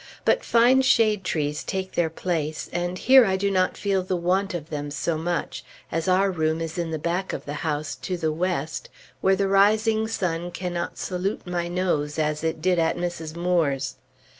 But fine shade trees take their place, and here I do not feel the want of them so much, as our room is in the back of the house, to the west, where the rising sun cannot salute my nose as it did at Mrs. Moore's.